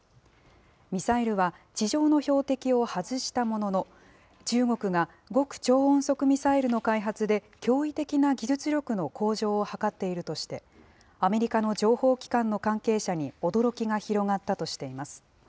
ミサイルは地上の標的を外したものの、中国が極超音速ミサイルの開発で、驚異的な技術力の向上を図っているとして、アメリカの情報機関の関係者に驚きが広がったとしています。